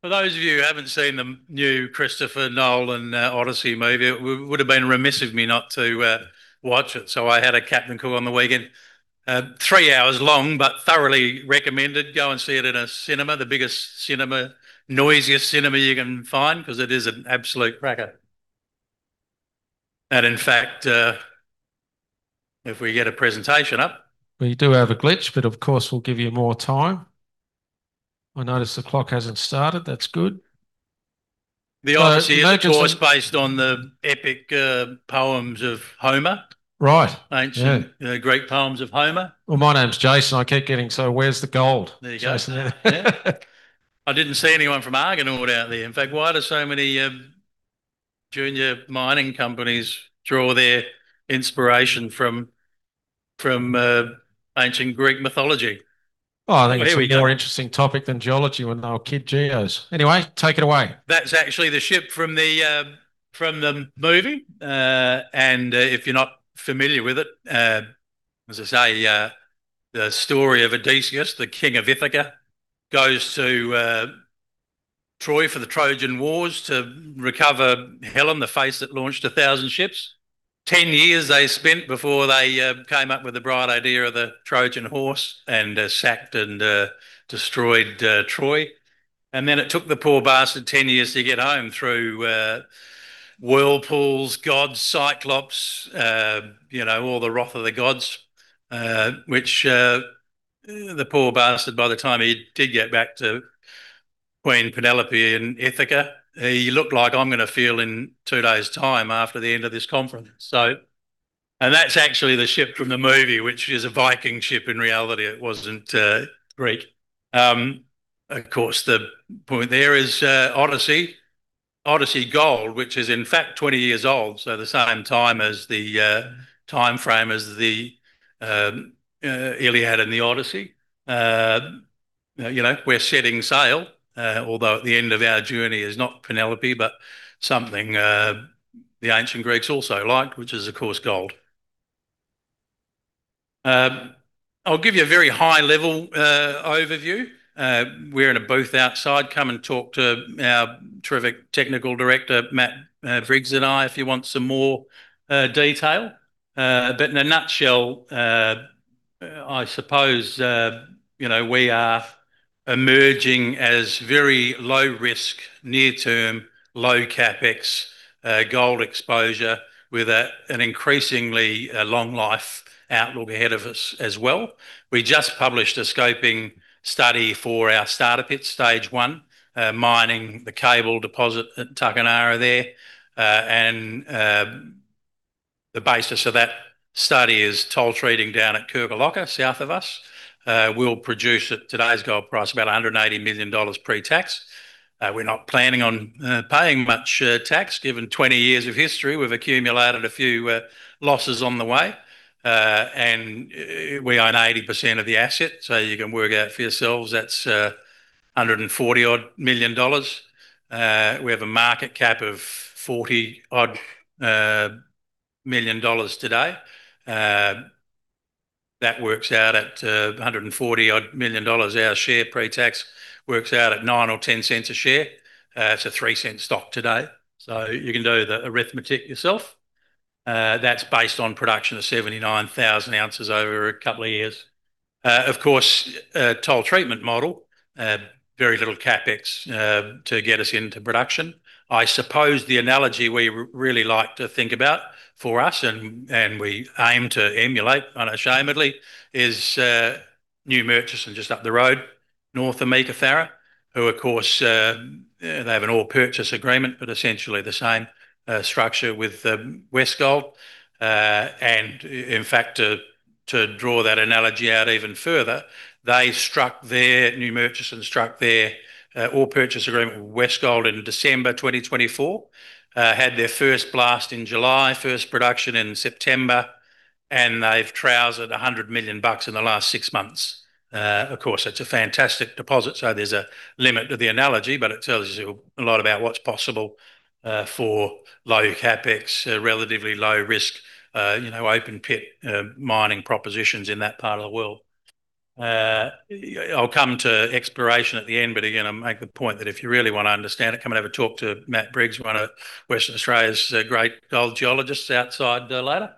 For those of you who haven't seen the new Christopher Nolan Odyssey movie, it would've been remiss of me not to watch it. I had a Captain Cool on the weekend. Three hours long, thoroughly recommended. Go and see it in a cinema. The biggest cinema, noisiest cinema you can find because it is an absolute cracker. In fact, if we get a presentation up. We do have a glitch, of course, we'll give you more time. I notice the clock hasn't started. That's good. No concern. The Odyssey is of course based on the epic poems of Homer. Right. Yeah. Ancient Greek poems of Homer. Well, my name's Jason. I keep getting, "So where's the gold? There you go. Yeah. I didn't see anyone from Argonaut out there. In fact, why do so many junior mining companies draw their inspiration from ancient Greek mythology? There we go. Well, I think it's a more interesting topic than geology when they were kid geos. Take it away. That's actually the ship from the movie. If you're not familiar with it, as I say, the story of Odysseus, the King of Ithaca, goes to Troy for the Trojan Wars to recover Helen, the face that launched a thousand ships. 10 years they spent before they came up with the bright idea of the Trojan horse and sacked and destroyed Troy. Then it took the poor bastard 10 years to get home through whirlpools, gods, Cyclops, all the wrath of the gods. Which the poor bastard, by the time he did get back to Queen Penelope in Ithaca, he looked like I'm going to feel in two days' time after the end of this conference. That's actually the ship from the movie, which is a Viking ship in reality. It wasn't Greek. Of course, the point there is Odyssey Gold, which is in fact 20 years old, so the same timeframe as the Iliad and the Odyssey. We're setting sail, although at the end of our journey is not Penelope, but something the ancient Greeks also liked, which is, of course, gold. I'll give you a very high-level overview. We're in a booth outside. Come and talk to our terrific Technical Director, Matt Briggs, and I if you want some more detail. In a nutshell, I suppose we are emerging as very low risk, near term, low CapEx gold exposure with an increasingly long life outlook ahead of us as well. We just published a scoping study for our starter pit, Stage 1, mining the cable deposit at Tuckanarra there. The basis of that study is toll treating down at Kirkalocka, South of us. We'll produce, at today's gold price, about 180 million dollars pre-tax. We're not planning on paying much tax. Given 20 years of history, we've accumulated a few losses on the way. We own 80% of the asset, so you can work out for yourselves, that's 140-odd million dollars. We have a market cap of 40-odd million dollars today. That works out at 140-odd million dollars our share pre-tax. Works out at 0.09 or 0.10 a share. It's an 0.03 stock today. You can do the arithmetic yourself. That's based on production of 79,000 oz over a couple of years. Of course, a toll treatment model. Very little CapEx to get us into production. I suppose the analogy we really like to think about for us and we aim to emulate unashamedly is New Murchison just up the road, orth of Meekatharra, who of course, they have an Ore Purchase Agreement, but essentially the same structure with Westgold. In fact, to draw that analogy out even further, New Murchison struck their Ore Purchase Agreement with Westgold in December 2024. Had their first blast in July, first production in September, and they've trousered 100 million bucks in the last six months. Of course, it's a fantastic deposit so there's a limit to the analogy, but it tells you a lot about what's possible for low CapEx, relatively low risk, open pit mining propositions in that part of the world. I'll come to exploration at the end, but again, I make the point that if you really want to understand it, come and have a talk to Matt Briggs, one of Western Australia's great gold geologists, outside later.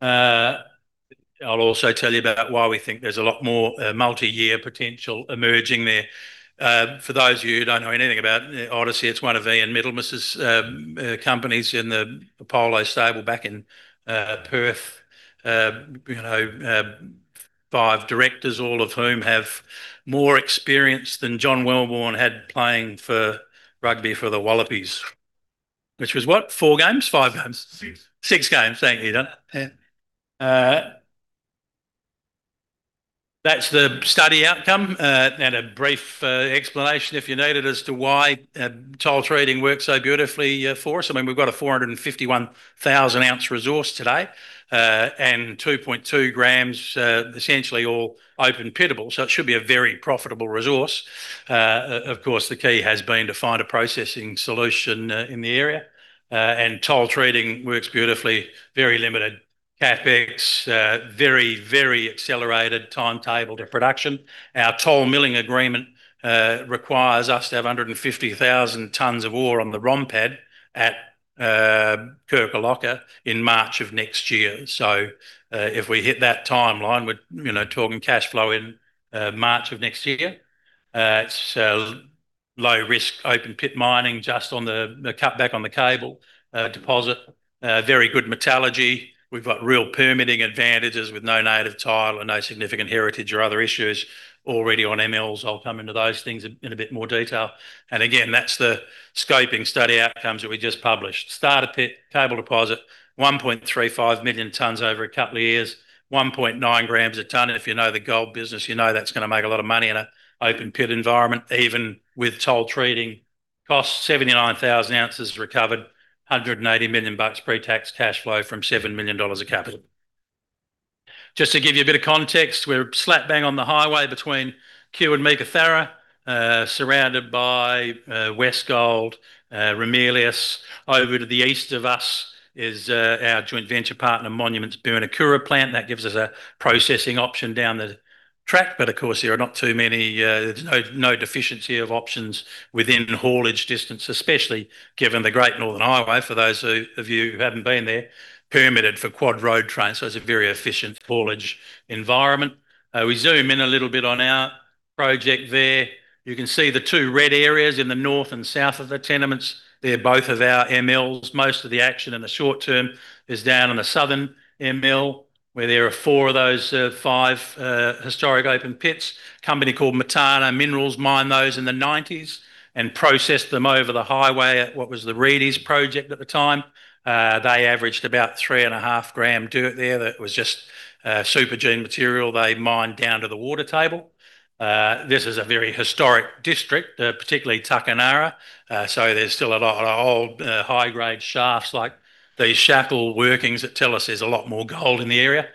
I'll also tell you about why we think there's a lot more multi-year potential emerging there. For those of you who don't know anything about Odyssey, it's one of Ian Middlemas' companies in the Apollo stable back in Perth. Five Directors, all of whom have more experience than John Welborn had playing rugby for the Wallabies. Which was what? Four games? Five games? Six. Six games. Thank you. Yeah. That's the study outcome. A brief explanation, if you need it, as to why toll treating works so beautifully for us. We've got a 451,000-oz resource today, and 2.2 g, essentially all open-pitable, so it should be a very profitable resource. Of course, the key has been to find a processing solution in the area. Toll treating works beautifully. Very limited CapEx, very accelerated timetable to production. Our Toll Milling Agreement requires us to have 150,000 tons of ore on the ROM pad at Kirkalocka in March of next year. So, if we hit that timeline, we're talking cash flow in March of next year. It's low-risk open-pit mining just on the cutback on the Cable deposit. Very good metallurgy. We've got real permitting advantages with no native title and no significant heritage or other issues already on MLs. I'll come into those things in a bit more detail. Again, that's the scoping study outcomes that we just published. Starter pit, Cable deposit, 1.35 million tons over a couple of years, 1.9 g a ton. If you know the gold business, you know that's going to make a lot of money in an open-pit environment, even with toll treating. Cost 79,000 oz recovered, 180 million bucks pre-tax cash flow from AUD 7 million of capital. Just to give you a bit of context, we're slap bang on the highway between Cue and Meekatharra, surrounded by Westgold, Ramelius. Over to the East of us is our joint venture partner Monument's Burnakura plant. That gives us a processing option down the track. There's no deficiency of options within haulage distance, especially given the Great Northern Highway, for those of you who haven't been there, permitted for quad road trains. So it's a very efficient haulage environment. We zoom in a little bit on our project there. You can see the two red areas in the North and South of the tenements. They're both of our MLs. Most of the action in the short term is down on the Southern ML, where there are four of those, five historic open pits. Company called Metana Minerals mined those in the 1990s and processed them over the highway at what was the Reedy's project at the time. They averaged about three and a half gram dirt there that was just supergene material they mined down to the water table. This is a very historic district, particularly Tuckanarra. There's still a lot of old high-grade shafts like these shackle workings that tell us there's a lot more gold in the area.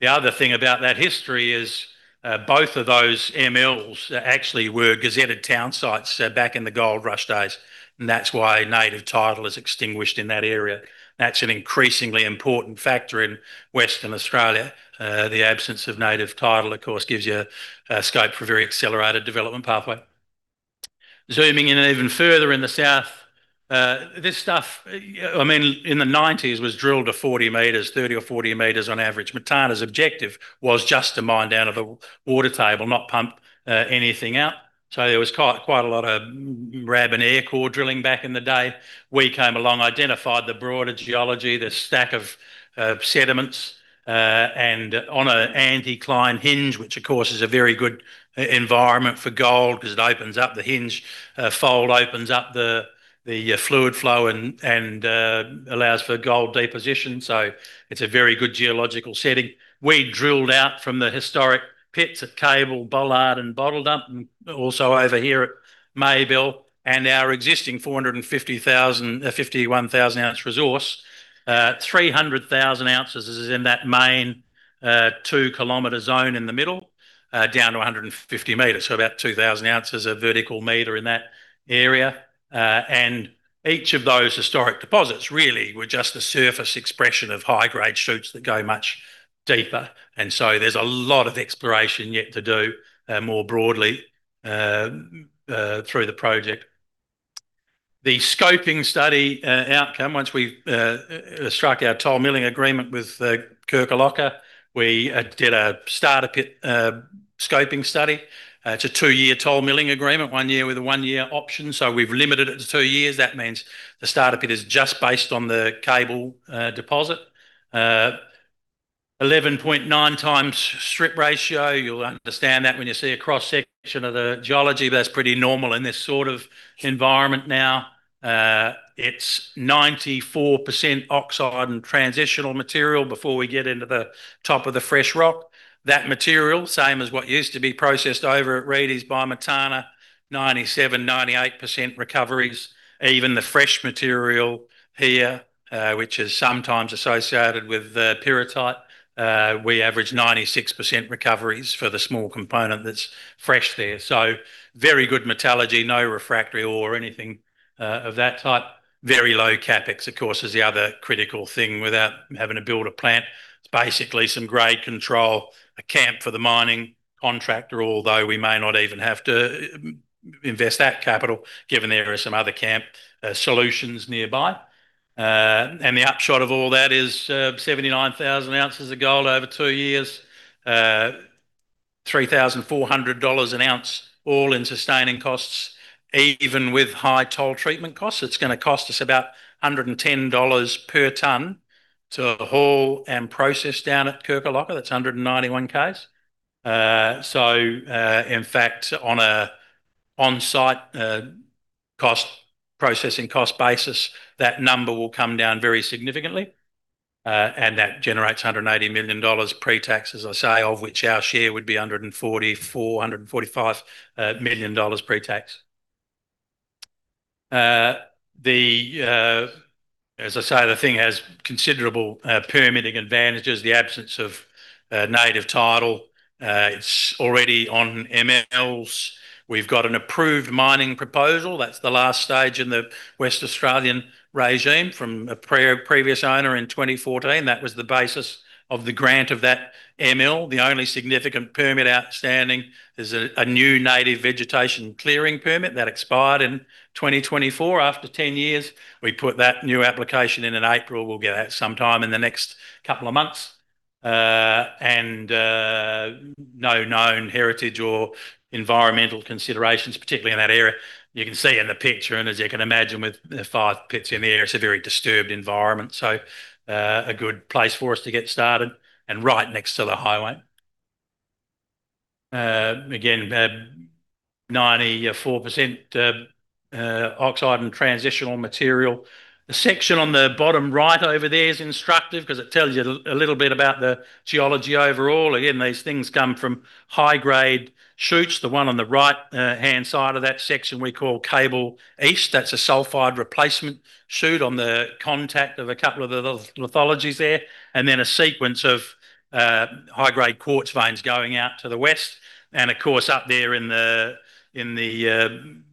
The other thing about that history is, both of those MLs actually were gazetted town sites back in the 1990s, and that's why native title is extinguished in that area. That's an increasingly important factor in Western Australia. The absence of native title, of course, gives you scope for very accelerated development pathway. Zooming in even further in the South, this stuff in the 1990s was drilled to 40 m, 30 or 40 m on average. Metana's objective was just to mine down to the water table, not pump anything out. There was quite a lot of RAB and air core drilling back in the day. We came along, identified the broader geology, the stack of sediments, and on an anticline hinge, which of course is a very good environment for gold because it opens up the hinge fold, opens up the fluid flow and allows for gold deposition. It's a very good geological setting. We drilled out from the historic pits at Cable, Bollard and Bottle Dump, and also over here at Maybelle and our existing 451,000 oz resource, 300,000 oz is in that main 2 km zone in the middle, down to 150 m, so about 2,000 oz a vertical meter in that area. Each of those historic deposits really were just a surface expression of high-grade shoots that go much deeper. There's a lot of exploration yet to do more broadly through the project. The scoping study outcome, once we struck our Toll Milling Agreement with Kirkalocka, we did a starter pit scoping study. It's a two-year Toll Milling Agreement, one year with a one-year option. We've limited it to two years. That means the starter pit is just based on the Cable deposit. 11.9x strip ratio. You'll understand that when you see a cross-section of the geology. That's pretty normal in this sort of environment now. It's 94% oxide and transitional material before we get into the top of the fresh rock. That material, same as what used to be processed over at Reedy's by Metana, 97%-98% recoveries. Even the fresh material here, which is sometimes associated with pyrrhotite, we average 96% recoveries for the small component that's fresh there. Very good metallurgy, no refractory or anything of that type. Very low CapEx, of course, is the other critical thing. Without having to build a plant, it's basically some grade control, a camp for the mining contractor, although we may not even have to invest that capital given there are some other camp solutions nearby. The upshot of all that is 79,000 oz of gold over two years, 3,400 dollars an ounce All-in Sustaining Costs. Even with high toll treatment costs, it's going to cost us about 110 dollars per ton to haul and process down at Kirkalocka. That's AUD 191,000. In fact on an on-site processing cost basis, that number will come down very significantly. That generates 180 million dollars pre-tax, as I say, of which our share would be 144 million-145 million dollars pre-tax. As I say, the thing has considerable permitting advantages, the absence of native title. It's already on MLs. We've got an approved mining proposal. That's the last stage in the Western Australian regime from a previous owner in 2014. That was the basis of the grant of that ML. The only significant permit outstanding is a new native vegetation clearing permit that expired in 2024 after 10 years. We put that new application in in April. We'll get that sometime in the next couple of months. No known heritage or environmental considerations, particularly in that area. You can see in the picture, and as you can imagine with the five pits in the air, it's a very disturbed environment. A good place for us to get started and right next to the highway. 94% oxide and transitional material. The section on the bottom right over there is instructive because it tells you a little bit about the geology overall. These things come from high-grade shoots. The one on the right-hand side of that section we call Cable East. That's a sulfide replacement shoot on the contact of a couple of the lithologies there. Then a sequence of high-grade quartz veins going out to the West. Of course, up there in the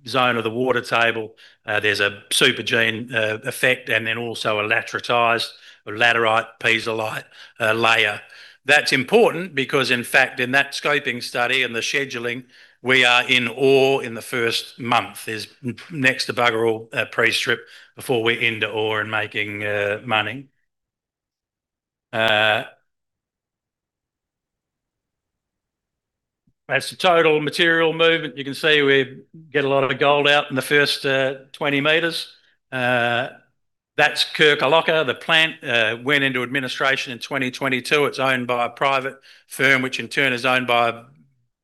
zone of the water table, there's a supergene effect and then also a lateritized or laterite pisolite layer. That's important because, in fact, in that scoping study and the scheduling, we are in ore in the first month. There's next to bugger-all pre-strip before we're into ore and making money. That's the total material movement. You can see we get a lot of the gold out in the first 20 m. That's Kirkalocka. The plant went into administration in 2022. It's owned by a private firm, which in turn is owned by a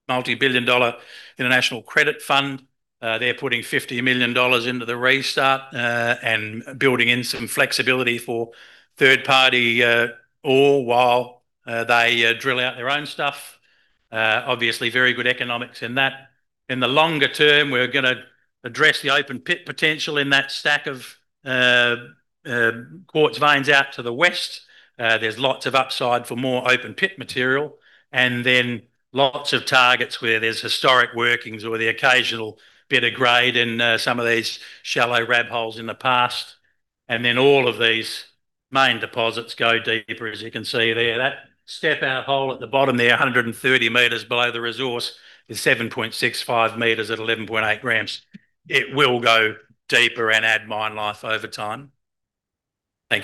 multibillion-dollar international credit fund. They're putting 50 million dollars into the restart, and building in some flexibility for third-party ore while they drill out their own stuff. Obviously, very good economics in that. In the longer term, we're going to address the open pit potential in that stack of quartz veins out to the west. There's lots of upside for more open pit material, and then lots of targets where there's historic workings or the occasional bit of grade in some of these shallow RAB holes in the past. Then all of these main deposits go deeper, as you can see there. That step-out hole at the bottom there, 130 m below the resource, is 7.65 m at 11.8 g. It will go deeper and add mine life over time. Thanks.